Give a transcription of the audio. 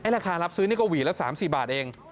ราคารับซื้อนี่ก็หวีละ๓๔บาทเอง